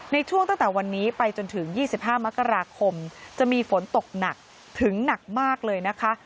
ในช่วงตั้งแต่วันนี้ไปจนถึง๒๕มกราคมจะมีฝนตกหนักถึงหนักมากเลยนะคะ